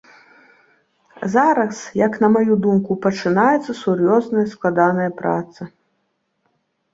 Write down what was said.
Зараз, як на маю думку, пачынаецца сур'ёзная, складаная праца.